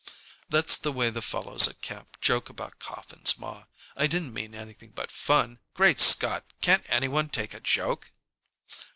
"That's the way the fellows at camp joke about coffins, ma. I didn't mean anything but fun! Great Scott! Can't any one take a joke!"